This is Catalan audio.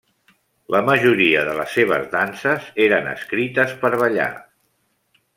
La majoria de les seves danses eren escrites per ballar.